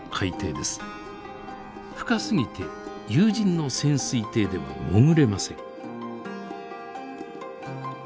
深すぎて有人の潜水艇では潜れません。